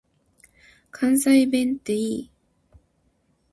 関西弁って良い。